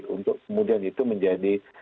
untuk kemudian itu menjadi